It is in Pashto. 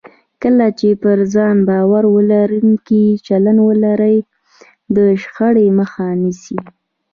کله چې پر ځان باور لرونکی چلند ولرئ، د شخړې مخه نیسئ.